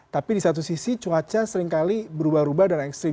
tapi di satu sisi cuaca seringkali berubah ubah dan ekstrim